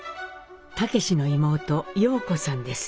武司の妹葉子さんです。